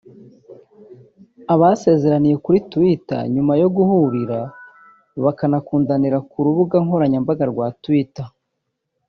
Abasezeraniye kuri Twitter Nyuma yo guhurira bakanakundanira ku rubuga nkoranyambaga rwa Twitter